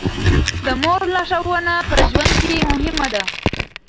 د مور لارښوونه په ژوند کې مهمه ده.